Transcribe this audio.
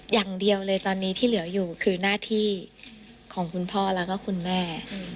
อย่างเดียวเลยตอนนี้ที่เหลืออยู่คือหน้าที่ของคุณพ่อแล้วก็คุณแม่